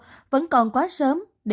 theo wso vẫn còn quá sớm để khẳng định điều gì